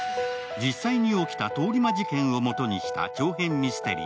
実際に起きた通り魔事件をもとにした長編ミステリー。